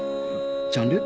ジャンル？